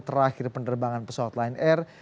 terakhir penerbangan pesawat lain r